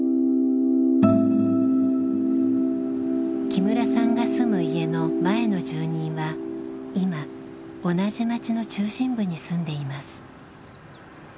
木村さんが住む家の前の住人は今同じ町の中心部に住んでいます。